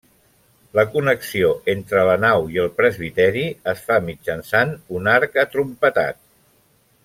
La connexió entre la nau i el presbiteri es fa mitjançant un arc atrompetat.